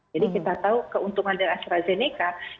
jadi kita tahu keuntungan dari astrazeneca